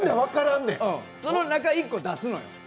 その中１個出すのよ。